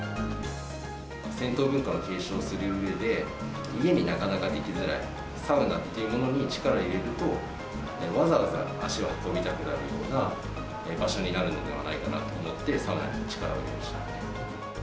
銭湯文化を継承するうえで、家になかなかできづらいサウナってものに力を入れると、わざわざ足を運びたくなるような場所になるのではないかなと思って、サウナに力を入れました。